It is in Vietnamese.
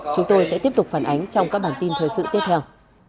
chúng tôi sẽ tiếp tục phản ánh trong các bản tin thời sự tiếp theo